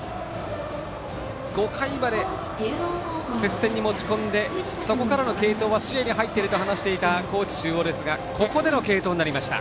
５回まで、接戦に持ち込んでそこからの継投は視野に入っていると話していた高知中央ですがここでの継投になりました。